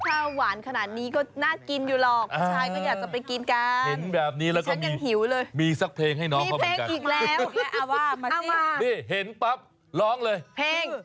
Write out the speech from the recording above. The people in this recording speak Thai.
ถ้าหวานขนาดนี้ก็น่ากินอยู่หรอก